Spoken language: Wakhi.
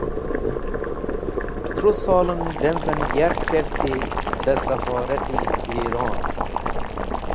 Tru solem dam’v en yark kerti dẽ safora’t -e Iron.